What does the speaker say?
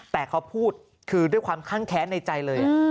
แต่เขาพูดคือด้วยความข้างแค้นในใจเลย